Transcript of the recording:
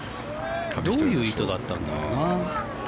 どういう意図だったんだろうな。